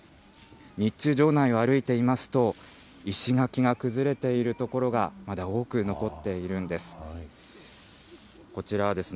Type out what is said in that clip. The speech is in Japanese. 日中、城内を歩いていますと、石垣が崩れている所がまだ多く残っているんです。